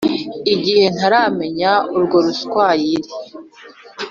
Igihe ntaramenya urwo ruswayire